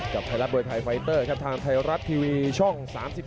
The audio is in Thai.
ไทยรัฐมวยไทยไฟเตอร์ครับทางไทยรัฐทีวีช่อง๓๒